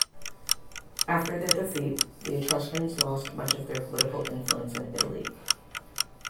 After their defeat, the Etruscans lost much of their political influence in Italy.